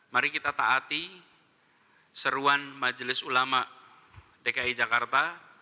mari kita taati seruan majelis ulama dki jakarta